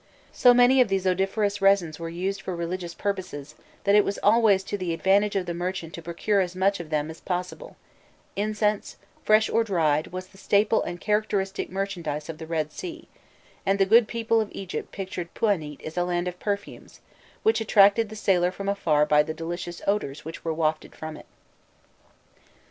So many of these odoriferous resins were used for religious purposes, that it was always to the advantage of the merchant to procure as much of them as possible: incense, fresh or dried, was the staple and characteristic merchandise of the Red Sea, and the good people of Egypt pictured Pûanît as a land of perfumes, which attracted the sailor from afar by the delicious odours which were wafted from it.